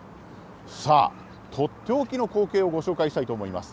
さあ、取って置きの光景をご紹介したいと思います。